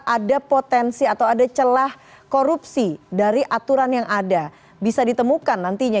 ada potensi atau ada celah korupsi dari aturan yang ada bisa ditemukan nantinya